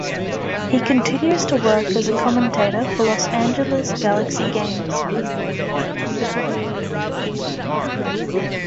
He continues to work as a commentator for Los Angeles Galaxy games.